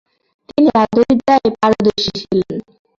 তিনি যাদুবিদ্যায় পারদর্শী ছিলেন।